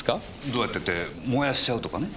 どうやってって燃やしちゃうとかね。